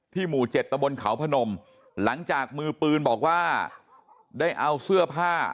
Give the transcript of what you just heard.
หมู่๗ตะบนเขาพนมหลังจากมือปืนบอกว่าได้เอาเสื้อผ้า